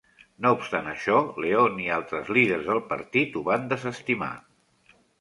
No obstant això, Leon i altres líders del partit ho van desestimar.